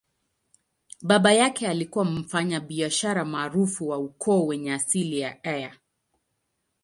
Baba yake alikuwa mfanyabiashara maarufu wa ukoo wenye asili ya Eire.